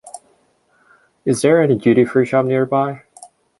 Is there any duty free shop nearby?